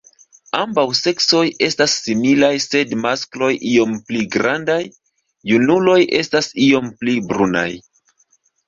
Ambaŭ seksoj estas similaj sed maskloj iom pli grandaj; junuloj estas iom pli brunaj.